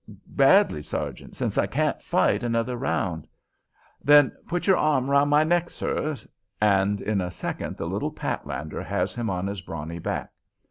"Badly, sergeant, since I can't fight another round." "Then put your arm round my neck, sir," and in a second the little Patlander has him on his brawny back.